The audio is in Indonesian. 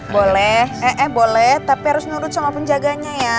boleh eh boleh tapi harus nurut sama penjaganya ya